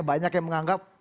banyak yang menganggap